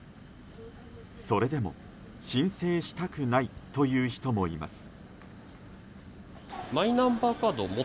それでも申請したくないという人もいます。